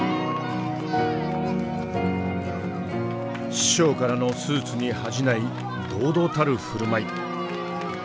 師匠からのスーツに恥じない堂々たる振る舞い。